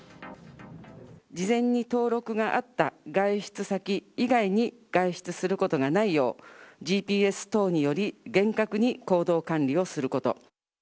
事前に登録があった外出先以外に外出することがないよう、ＧＰＳ等により厳格に行動管理をすること。